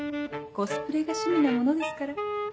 コスプレが趣味なものですから。